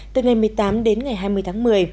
từ ngày một mươi tám đến ngày hai mươi tháng một mươi